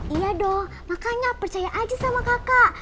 iya dong makanya percaya aja sama kakak